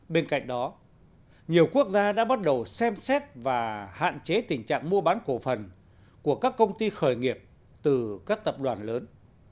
bên cạnh đó nhiều quốc gia đã bắt đầu xem xét và hạn chế tình trạng mua bán cổ phần của các công ty khởi nghiệp từ các tập đoàn lớn